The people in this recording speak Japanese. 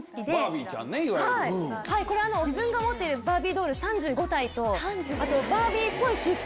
自分が持ってるバービードール３５体とバービーっぽい私服